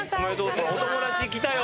ほらお友達来たよ。